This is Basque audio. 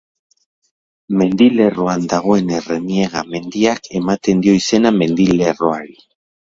Mendilerroan dagoen Erreniega mendiak ematen dio izena mendilerroari.